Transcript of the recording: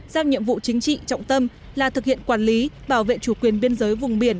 giao nhiệm vụ chính trị trọng tâm là thực hiện quản lý bảo vệ chủ quyền biên giới vùng biển